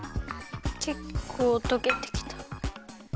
けっこうとけてきた。